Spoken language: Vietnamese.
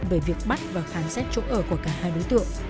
về việc bắt và khám xét chỗ ở của cả hai đối tượng